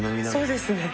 そうですね。